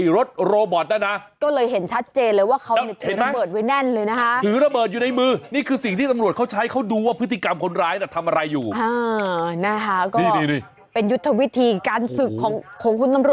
และทวันนั้นตัวประกันหนึ่งวิ่งออกมา